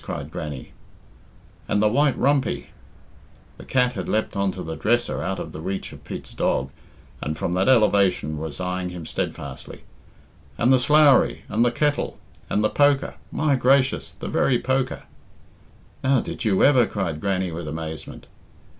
cried Grannie. "And the white rumpy" (the cat had leapt on to the dresser out of the reach of Pete's dog, and from that elevation was eyeing him steadfastly), "and the slowrie and the kettle and the poker my gracious, the very poker " "Now, did you ever!" cried Grannie with amazement.